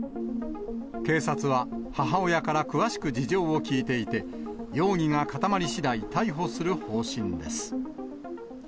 警察は、母親から詳しく事情を聴いていて、容疑が固まりしだい、逮捕する方針です。